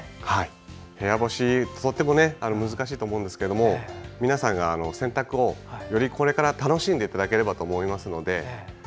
部屋干し、とっても難しいと思うんですけど皆さんが洗濯をよりこれから楽しんでいただければと思いますので。